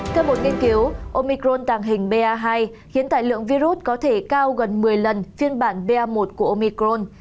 theo một nghiên cứu omicron tàng hình ba hai khiến tài lượng virus có thể cao gần một mươi lần phiên bản ba một của omicron